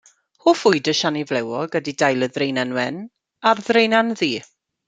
Hoff fwyd y siani flewog ydy dail y Ddraenen Wen a'r Ddraenen Ddu.